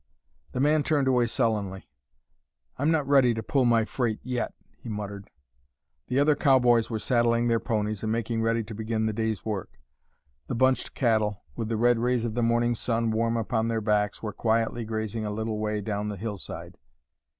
The man turned away sullenly. "I'm not ready to pull my freight yet," he muttered. The other cowboys were saddling their ponies and making ready to begin the day's work. The bunched cattle, with the red rays of the morning sun warm upon their backs, were quietly grazing a little way down the hillside.